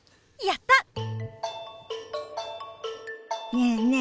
ねえねえ